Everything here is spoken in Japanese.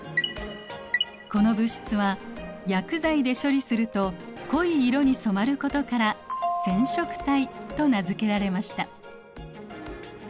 この物質は薬剤で処理すると濃い色に染まることから染色体と名付けられました。